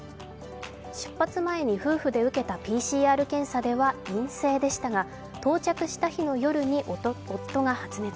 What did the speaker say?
出発前に夫婦で受けたＰＣＲ検査では陰性でしたが、到着した日の夜に夫が発熱。